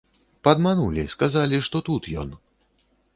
Падманулі, сказалі, што тут ён.